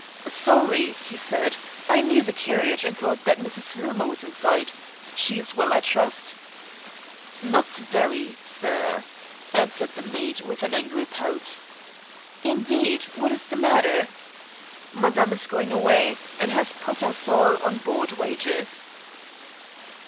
"Sorry," he said, "I knew the carriage, and thought that Mrs. Hillmer was inside. She is well, I trust." "Not very, sir," answered the maid with an angry pout. "Indeed, what is the matter?" "Madame is going away, and has put us all on board wages."